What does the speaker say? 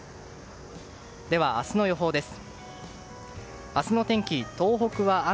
では明日の予報です。